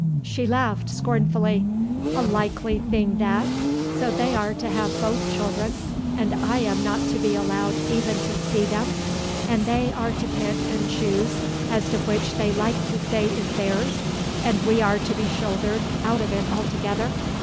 She laughed scornfully. "A likely thing that! So they are to have both children, and I am not to be allowed even to see them; and they are to pick and choose as to which they like to say is theirs, and we are to be shouldered out of it altogether!